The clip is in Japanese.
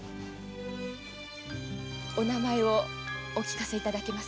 お名前をお聞かせいただけますか？